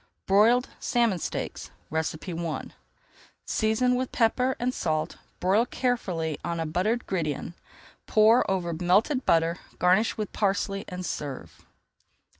BROILED SALMON STEAKS I Season with pepper and salt, broil carefully on a buttered gridiron, pour over melted butter, garnish with parsley, and serve.